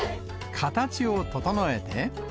形を整えて。